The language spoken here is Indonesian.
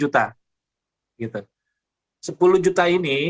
sepuluh juta ini dari kami yayasan tiga juta